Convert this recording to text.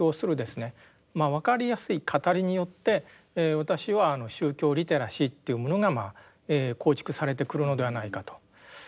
まあ分かりやすい語りによって私は宗教リテラシーというものが構築されてくるのではないかと。